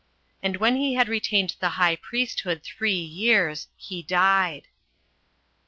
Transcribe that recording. And when he had retained the high priesthood three years, he died.